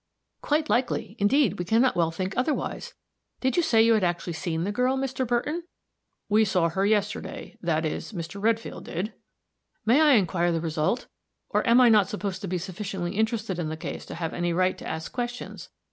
"Quite likely. Indeed, we can not well think otherwise. Did you say you had actually seen the girl, Mr. Burton?" "We saw her yesterday that is, Mr. Redfield did." "May I inquire the result? or am I not supposed to be sufficiently interested in the case to have any right to ask questions?